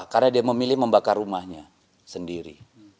karena dia memilih membakar rumahnya sendiri